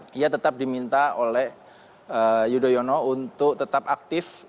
dia tetap diminta oleh yudhoyono untuk tetap aktif